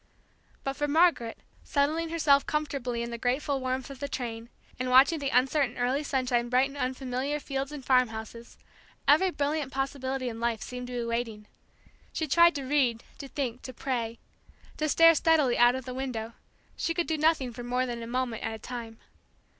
But for Margaret, settling herself comfortably in the grateful warmth of the train, and watching the uncertain early sunshine brighten unfamiliar fields and farmhouses, every brilliant possibility in life seemed to be waiting. She tried to read, to think, to pray, to stare steadily out of the window; she could do nothing for more than a moment at a time.